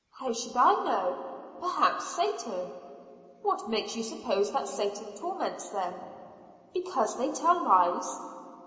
"How should I know perhaps Satan." "What makes you suppose that Satan torments them?" "Because they tell lies."